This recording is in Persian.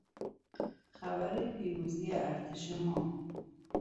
خبر پیروزی ارتش ما